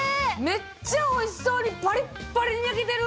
めっちゃおいしそうにパリッパリに焼けてる！